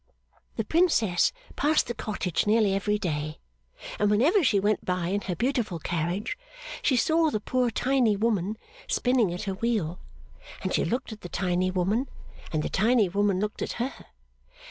'The Princess passed the cottage nearly every day, and whenever she went by in her beautiful carriage, she saw the poor tiny woman spinning at her wheel, and she looked at the tiny woman, and the tiny woman looked at her.